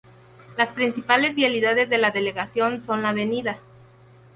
Las principales vialidades de la delegación son la Av.